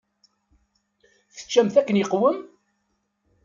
Teččamt akken iqwem?